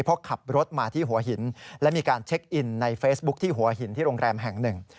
เพราะขับรถมาที่หัวหินและมีการเช็คอินในเฟซบุ๊คที่หัวหินที่โรงแรมแห่งหนึ่ง